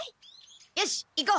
よし行こう！